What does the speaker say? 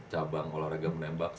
cabang olahraga menengah yang lainnya